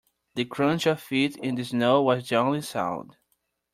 The crunch of feet in the snow was the only sound.